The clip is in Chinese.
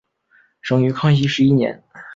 生于康熙十一年。